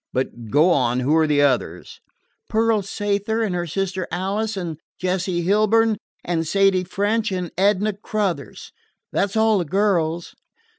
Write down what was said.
But go on. Who are the others?" "Pearl Sayther, and her sister Alice, and Jessie Hilborn, and Sadie French, and Edna Crothers. That 's all the girls."